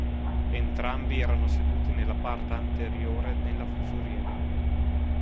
Entrambi erano seduti nella parte anteriore nella fusoliera.